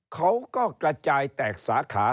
เขาก็กระจายแตกสาขา